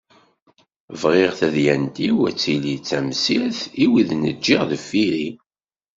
Bɣiɣ tadyant-iw ad tili d tamsirt i wid i n-ǧǧiɣ deffir-i.